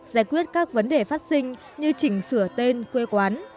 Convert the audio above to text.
giải quyết các vấn đề phát sinh như chỉnh sửa tên quê quán